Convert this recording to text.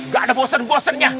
gak ada bosen bosennya